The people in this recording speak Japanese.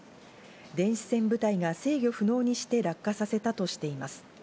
電子戦部隊が制御不能にして落下させたとしています。